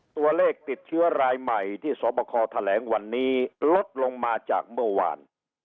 ตัวเลขติดเชื้อรายใหม่ที่สวบคอแถลงวันนี้ลดลงมาจากเมื่อวาน